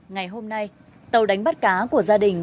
ngày hôm nay tàu đánh bắt cá của gia đình